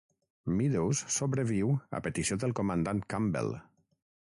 Meadows sobreviu a petició del comandant Campbell.